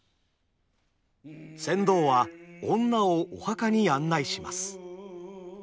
船頭は女をお墓に案内します。